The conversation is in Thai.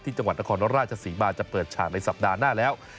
จังหวัดนครราชศรีมาจะเปิดฉากในสัปดาห์หน้าแล้ว